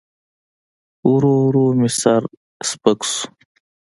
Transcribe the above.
ورو ورو مې سر سپک سو.